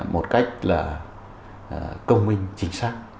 một cách công minh chính xác